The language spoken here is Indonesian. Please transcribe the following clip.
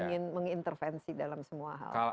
ingin mengintervensi dalam semua hal